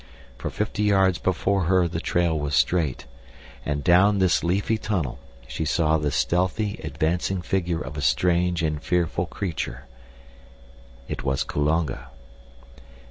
For fifty yards before her the trail was straight, and down this leafy tunnel she saw the stealthy advancing figure of a strange and fearful creature. It was Kulonga.